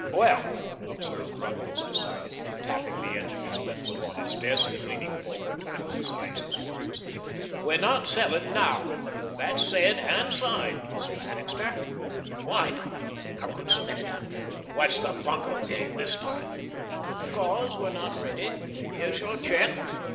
"Well," observed Ruggles decidedly, tapping the end of his pencil on his desk and leaning forward to emphasise his words, "we're not selling NOW. That's said and signed, Mr. Annixter." "Why not? Come, spit it out. What's the bunco game this time?" "Because we're not ready. Here's your check."